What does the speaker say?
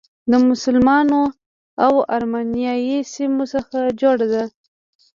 د مسلمانو او ارمنیایي سیمو څخه جوړه ده.